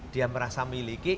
dia merasa miliki